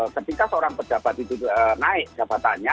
ketika seorang pejabat itu naik jabatannya